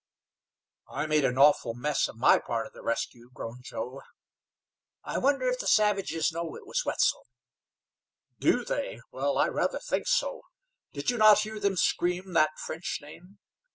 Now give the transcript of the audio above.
"I made an awful mess of my part of the rescue," groaned Joe. "I wonder if the savages know it was Wetzel." "Do they? Well, I rather think so. Did you not hear them scream that French name?